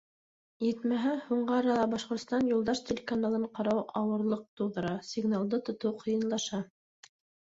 Етмәһә, һуңғы арала Башҡортостан юлдаш телеканалын ҡарау ауырлыҡ тыуҙыра — сигналды тотоу ҡыйынлаша.